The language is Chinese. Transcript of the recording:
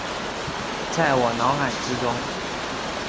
在我脑海之中